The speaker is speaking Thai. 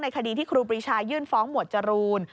คดีที่ครูปรีชายื่นฟ้องหมวดจรูน